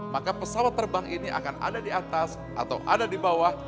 maka pesawat terbang ini akan ada di atas atau ada di bawah